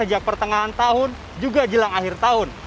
dari pertengahan tahun juga jilang akhir tahun